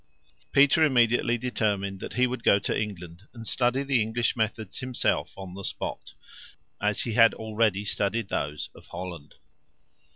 Peter immediately determined that he would go to England, and study the English methods himself on the spot, as he had already studied those of Holland.